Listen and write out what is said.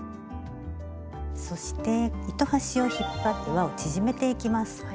そして糸端を引っ張ってわを縮めていきます。